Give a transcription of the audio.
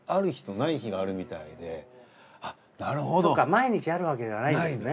毎日あるわけじゃないんですね。